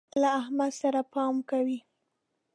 له احمد سره پام کوئ.